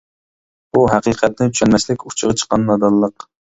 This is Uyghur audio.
بۇ ھەقىقەتنى چۈشەنمەسلىك ئۇچىغا چىققان نادانلىق.